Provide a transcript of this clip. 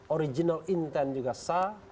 original intent juga sah